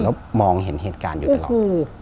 แล้วมองเห็นเหตุการณ์อยู่ตลอด